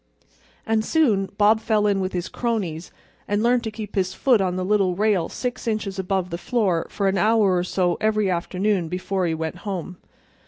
And soon Bob fell in with his cronies and learned to keep his foot on the little rail six inches above the floor for an hour or so every afternoon before he went home.